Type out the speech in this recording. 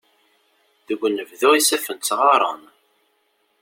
Deg unebdu isaffen ttɣaren.